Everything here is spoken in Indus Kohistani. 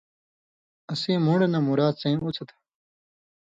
اسیں مُون٘ڈہۡ نہ مراد سیں اُوڅھہۡ تھہ